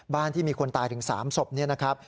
ที่มีคนตายถึง๓ศพนี่นะครับ